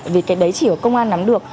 vì cái đấy chỉ có công an nắm được